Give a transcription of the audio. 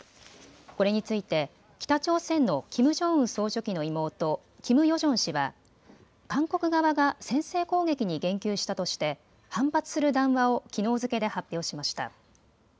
これについて北朝鮮のキム・ジョンウン総書記の妹、キム・ヨジョン氏は韓国側が先制攻撃に言及したとして反発する談話をきのう付けで発表しました。